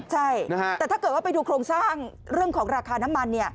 ใช่แต่ถ้าเกิดว่าไปดูโครงสร้างเรื่องของราคาน้ำมัน